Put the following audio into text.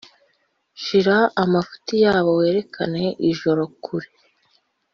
shira amafuti yabo, werekane ijoro kure;